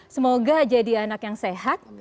semoga jadi anak yang sehat